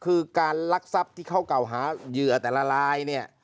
คือการรักษับที่เข้ากล่าวหาเหยื่อแต่ละลาย